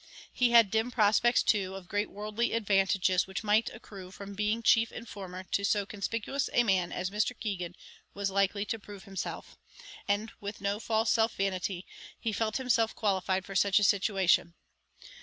He had dim prospects, too, of great worldly advantages which might accrue from being chief informer to so conspicuous a man as Mr. Keegan was likely to prove himself, and, with no false self vanity, he felt himself qualified for such a situation.